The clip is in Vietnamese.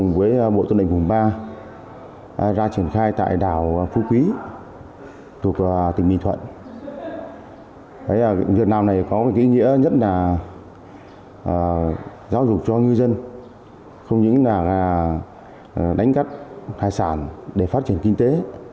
việt nam này có nghĩa nhất là giáo dục cho ngư dân không những là đánh cắt hải sản để phát triển kinh tế